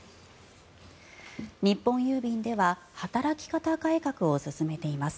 日本郵便では働き方改革を進めています。